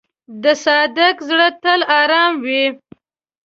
د صادق زړه تل آرام وي.